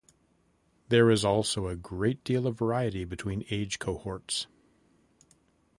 There is also a great deal of variety between age cohorts.